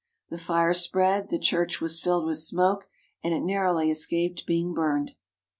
The fire spread, the church was filled with smoke, and it narrowly escaped being burned.